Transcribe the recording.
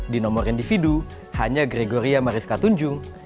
di nomor individu hanya gregoria mariska tunjung